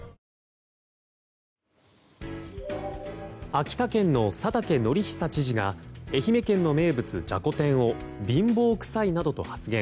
秋田県の佐竹敬久知事が愛媛県の名物じゃこ天を貧乏くさいなどと発言。